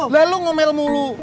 lah lu ngomel mulu